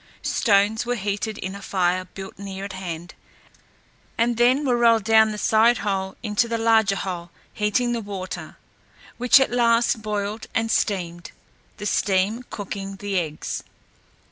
Stones were heated in a fire built near at hand, and then were rolled down the side hole into the larger hole, heating the water, which at last boiled and steamed, the steam cooking the eggs.